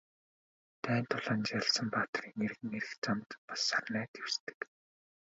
Дайн тулаанд ялсан баатрын эргэн ирэх замд бас сарнай дэвсдэг.